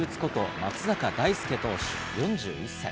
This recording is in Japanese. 松坂大輔投手４１歳。